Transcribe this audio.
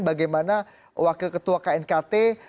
bagaimana wakil ketua knkt